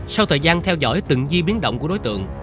sau thời gian theo dõi từng di biến động của đối tượng